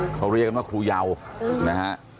เขาเรียกกันว่าครูเยานะฮะ